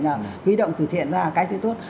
huy động từ thiện ra cái gì tốt